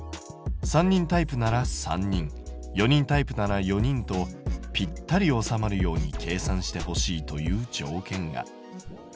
３人タイプなら３人４人タイプなら４人とぴったり収まるように計算してほしいという条件が。